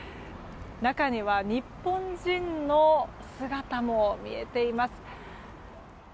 中には日本人の姿も見えています。